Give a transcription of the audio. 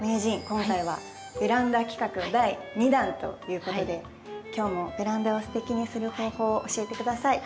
今回はベランダ企画の第２弾ということで今日もベランダをすてきにする方法を教えて下さい。